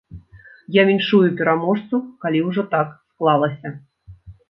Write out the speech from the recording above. Я віншую пераможцу, калі ўжо так склалася.